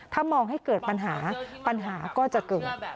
ถ้ามองให้เกิดปัญหาปัญหาก็จะเกิด